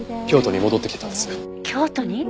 京都に？